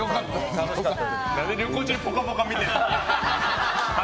何で、旅行中に「ぽかぽか」見てるんだよ。